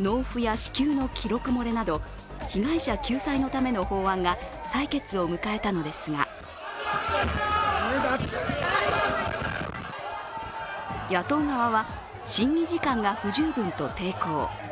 納付や支給の記録漏れなど被害者救済のための法案が採決を迎えたのですが野党側は、審議時間が不十分と抵抗。